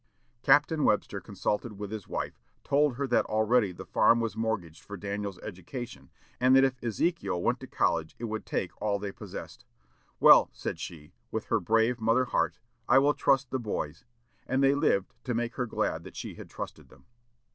Captain Webster consulted with his wife; told her that already the farm was mortgaged for Daniel's education, and that if Ezekiel went to college it would take all they possessed. "Well," said she, with her brave mother heart, "I will trust the boys;" and they lived to make her glad that she had trusted them.